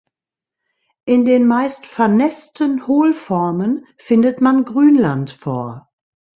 In den meist vernässten Hohlformen findet man Grünland vor.